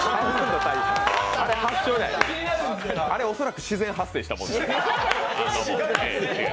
あれは恐らく自然発生したものです。